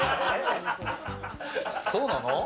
そうなの？